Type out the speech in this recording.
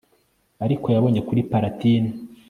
Ariko yabonye kuri Palatine